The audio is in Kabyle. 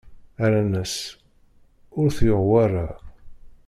Rran-as: Ur t-yuɣ wara!